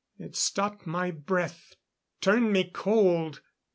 It stopped my breath, turned me cold.